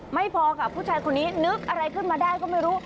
ไม่พอกับผู้ชายคนนี้นึกอะไรขึ้นมาได้ก็ไม่รู้